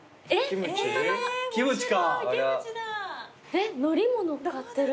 えっ海苔ものっかってる。